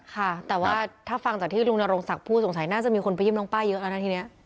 ค่ะแต่ว่าถ้าฟังจากที่ลุงนรงศักดิ์ผู้สงสัยน่าจะมีคนไปเยีน้องป้าเยอะแล้วนะทีนี้